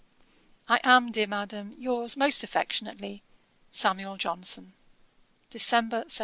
'I am, dear Madam, 'Yours most affectionately, 'SAM. JOHNSON.' 'December, 1775.'